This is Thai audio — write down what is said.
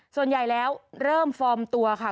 ส่วนใหญ่แล้วเริ่มฟอร์มตัวค่ะ